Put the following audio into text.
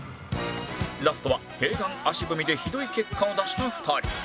ラストは閉眼足踏みでひどい結果を出した２人